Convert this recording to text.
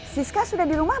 siska sudah di rumah